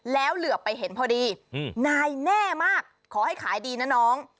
แล้วเหลือไปเห็นพอดีนายแน่มากขอให้ขายดีนะน้อง